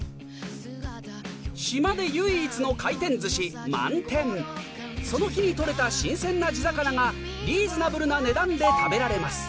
島で唯一の回転寿司その日に取れた新鮮な地魚がリーズナブルな値段で食べられます